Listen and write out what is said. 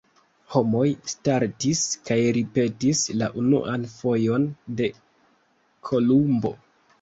Homoj startis kaj ripetis la unuan vojon de Kolumbo.